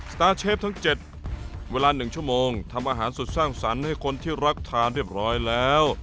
ตาร์เชฟทั้ง๗เวลา๑ชั่วโมงทำอาหารสุดสร้างสรรค์ให้คนที่รักทานเรียบร้อยแล้ว